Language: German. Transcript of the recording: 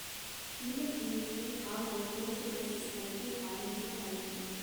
Viele Kliniken haben mit multiresistenten Keimen zu kämpfen.